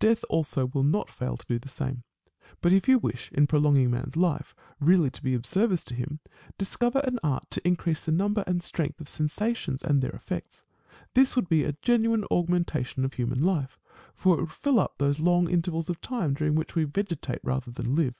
Death also will not fail to do the same. But if you wish, in prolonging man's life, really to be of service to him, discover an art to increase the number and strength of sensations, and their effects. This would be a genuine augmentation of human life, for it would fill up those long intervals of time, during which we vegetate rather than live.